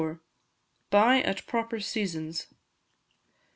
Buy at Proper Seasons.